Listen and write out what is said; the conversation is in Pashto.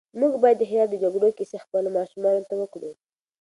موږ بايد د هرات د جګړو کيسې خپلو ماشومانو ته وکړو.